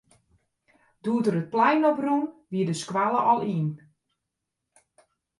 Doe't er it plein op rûn, wie de skoalle al yn.